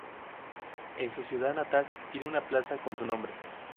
En su ciudad natal, tiene una plaza con su nombre.